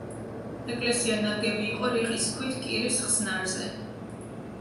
ეკლესია ნაგები იყო რიყის ქვით კირის ხსნარზე.